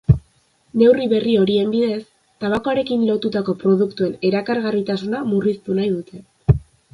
Neurri berri horien bidez, tabakoarekin lotutako produktuen erakargarritasuna murriztu nahi dute.